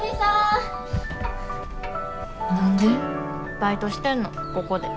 バイトしてんのここで。